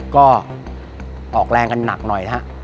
ก็ออกแรงกันหนักหน่อยฮะ